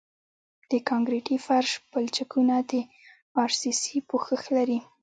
د کانکریټي فرش پلچکونه د ار سي سي پوښښ لري